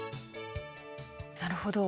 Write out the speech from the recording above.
なるほど。